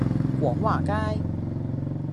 廣華街